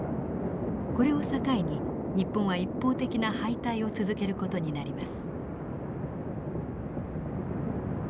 これを境に日本は一方的な敗退を続ける事になります。